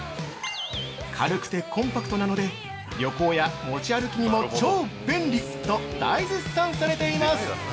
「軽くてコンパクトなので旅行や持ち歩きにも超便利！」と大絶賛されています。